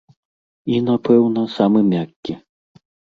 І, напэўна, самы мяккі.